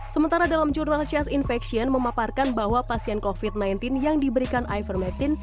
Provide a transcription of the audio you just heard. sementara dalam jurnal chess infection memaparkan bahwa pasien covid sembilan belas yang diberikan ivermectin